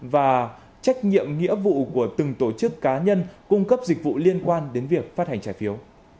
và trách nhiệm nghĩa vụ của từng tổ chức cá nhân cung cấp dịch vụ liên quan đến việc phát hành trái phiếu